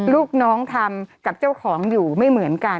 ลูกน้องทำกับเจ้าของอยู่ไม่เหมือนกัน